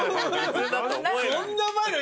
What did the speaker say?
こんなうまいの？